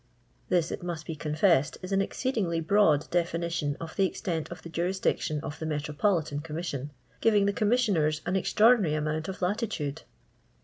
This, it must be confessed, is an exceedingly broad definition of the extent of the jurisdiction of the Metropolitan Commission, giving the Coouut sioners an extraordinary amount of laiitmde.